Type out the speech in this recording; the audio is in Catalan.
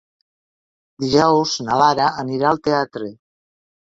Dijous na Laura anirà al teatre.